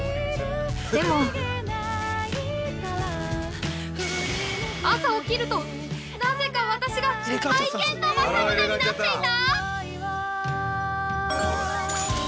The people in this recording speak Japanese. でも、朝起きると、なぜか私が愛犬のまさむねになっていた！？